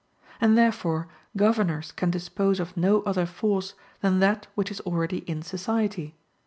And therefore governors can dispose of no other force than that which is already in society.